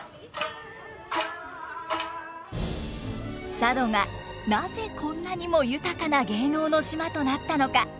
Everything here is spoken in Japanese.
佐渡がなぜこんなにも豊かな芸能の島となったのか？